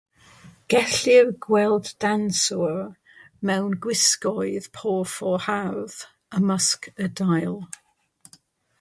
Gellir gweld dawnswyr mewn gwisgoedd porffor hardd ymysg y dail.